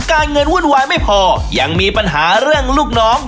เงินวุ่นวายไม่พอยังมีปัญหาเรื่องลูกน้อง